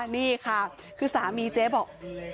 นี่ค่ะคือสามีเจ๊บอก